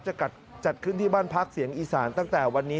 จะจัดขึ้นที่บ้านพักเสียงอีสานตั้งแต่วันนี้